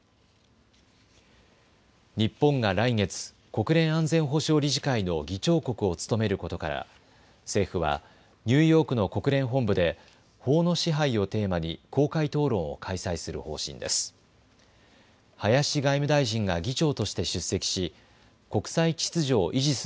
日本が来月、国連安全保障理事会の議長国を務めることから政府はニューヨークの国連本部で法の支配をテーマに公開討論を開催する方針です。